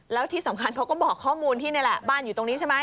แล้วที่สำคัญเขาก็บอกข้อมูลที่นี่แหละบ้านอยู่ตรงนี้ใช่ไหม